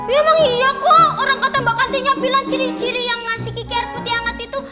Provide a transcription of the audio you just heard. emang iya kok orang kata mbak kantinnya bilang ciri ciri yang ngasih kiki air putih hangat itu